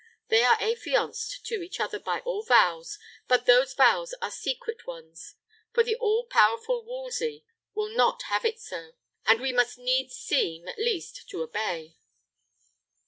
They are affianced to each other by all vows, but those vows are secret ones; for the all powerful Wolsey will not have it so, and we must needs seem, at least, to obey.